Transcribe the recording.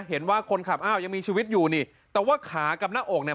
เห็นว่าคนขับอ้าวยังมีชีวิตอยู่นี่แต่ว่าขากับหน้าอกเนี่ย